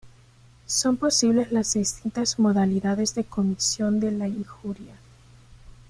Son posibles las distintas modalidades de comisión de la injuria.